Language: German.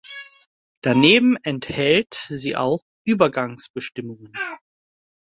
Daneben enthält sie auch Übergangsbestimmungen.